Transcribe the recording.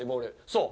そう。